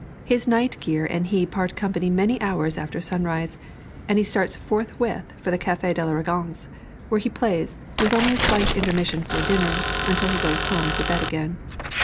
His night gear and he part company many hours after sunrise, and he starts forthwith for the Café de la Régence, where he plays, with only a slight intermission for dinner, until he goes home to bed again.